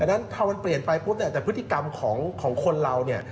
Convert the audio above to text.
ดังนั้นถ้ามันเปลี่ยนไปปุ๊บแต่พฤติกรรมของคนเรา